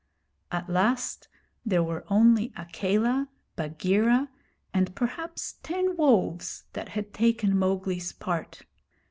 At last there were only Akela, Bagheera, and perhaps ten wolves that had taken Mowgli's part.